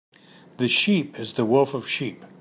The sheep is the wolf of sheep.